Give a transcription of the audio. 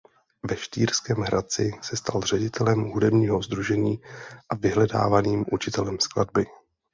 Ve Štýrském Hradci se stal ředitelem hudebního sdružení a vyhledávaným učitelem skladby.